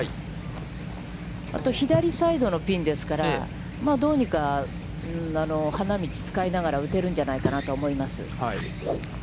あと左サイドのピンですから、どうにか花道を使いながら打てるんじゃないかと思います。